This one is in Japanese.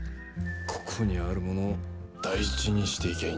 ここにあるものを大事にしていきゃいいんだ。